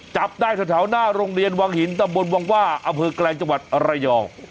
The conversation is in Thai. จับได้แถวหน้าโรงเรียนวังหินตำบลวังว่าอำเภอแกลงจังหวัดระยอง